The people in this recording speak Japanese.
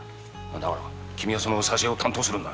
だから君はその挿絵を担当するんだ。